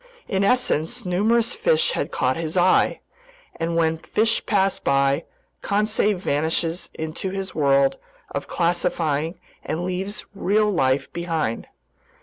In essence, numerous fish had caught his eye, and when fish pass by, Conseil vanishes into his world of classifying and leaves real life behind.